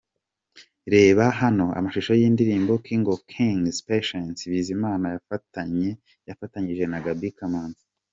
Reba hano amashusho y'indirimbo'King of Kings'Patient Bizimana yafatanyije na Gaby Kamanzi.